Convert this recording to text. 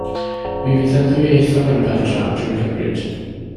Mi fydd yn ddwyieithog yn y pen draw, dw i'n cymryd?